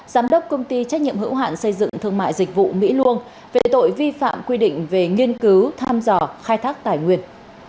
giám đốc công ty trách nhiệm hữu hạn xây dựng thương mại dịch vụ mỹ luông về tội vi phạm quy định về nghiên cứu tham dò khai thác tài nguyên